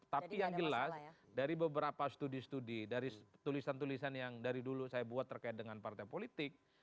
tapi yang jelas dari beberapa studi studi dari tulisan tulisan yang dari dulu saya buat terkait dengan partai politik